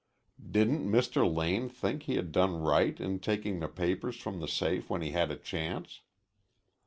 Didn't Mr. Lane think he had done right in taking the papers from the safe when he had a chance?